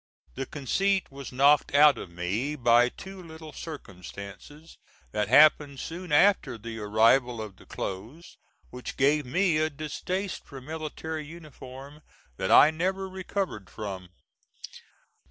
The conceit was knocked out of me by two little circumstances that happened soon after the arrival of the clothes, which gave me a distaste for military uniform that I never recovered from.